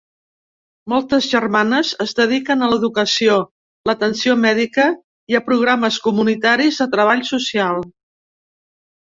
Moltes germanes es dediquen a l'educació, l'atenció mèdica i a programes comunitaris de treball social.